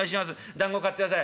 だんご買ってください。